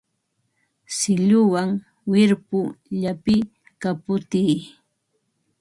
Silluwan wirpu llapiy, kaputiy